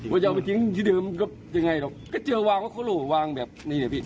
ว่าจะเอาไปทิ้งที่เดิมก็ยังไงหรอกก็เจอวางว่าเขาโหลวางแบบนี้นะพี่